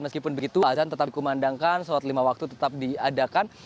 meskipun begitu azan tetap dikumandangkan sholat lima waktu tetap diadakan